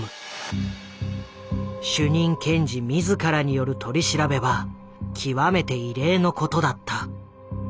主任検事自らによる取り調べは極めて異例のことだった。